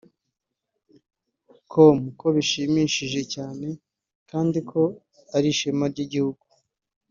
com ko bishimishije cyane ko kandi ari ishema ry’igihugu